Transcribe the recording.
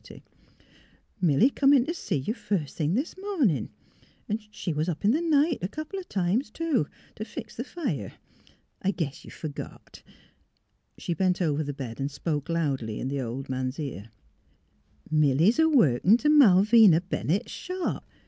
MILLY 357 '' Milly come in t' seg you, first thing this mornin'. She was np in the night a couple o' times, too, t' fix th' fire. I guess you f ergot " She bent over the bed and spoke loudly in the old man's ear: *' Milly 's a workin' t' Malvina Bennett's shop.